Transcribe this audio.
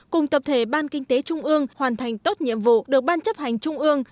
cùng tập thể ban kinh tế trung ương hoàn thành tốt nhiệm vụ được ban chấp hành trung ương